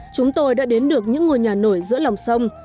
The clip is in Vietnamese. chúng tôi đã đến được những ngôi nhà nổi giữa lòng sông